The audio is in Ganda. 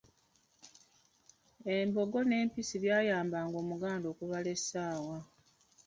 Embogo n'empisi byayambanga Omuganda okubala essaawa.